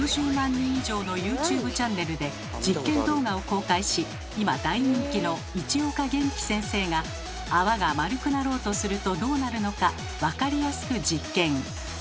人以上のＹｏｕＴｕｂｅチャンネルで実験動画を公開し今大人気の市岡元気先生が泡が丸くなろうとするとどうなるのか分かりやすく実験。